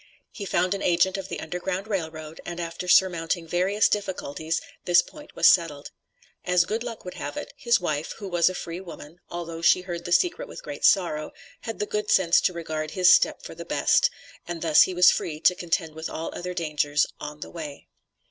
He found an agent of the Underground Rail Road, and after surmounting various difficulties, this point was settled. As good luck would have it, his wife, who was a free woman, although she heard the secret with great sorrow, had the good sense to regard his step for the best, and thus he was free to contend with all other dangers on the way.